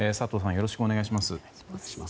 よろしくお願いします。